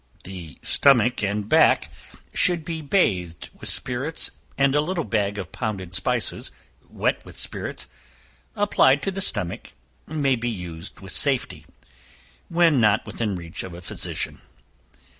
The stomach and back should be bathed with spirits, and a little bag of pounded spices, wet with spirits, applied to the stomach, may be used with safety, when not within reach of a physician.